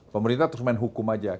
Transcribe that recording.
pemerintah terus main hukum aja